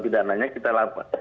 pidananya kita lakukan